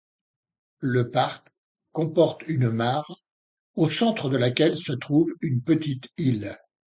Le parc comporte une mare, au centre de laquelle se trouve une petite île.